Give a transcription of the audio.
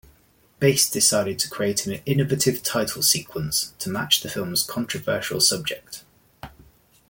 Bass decided to create an innovative title sequence to match the film's controversial subject.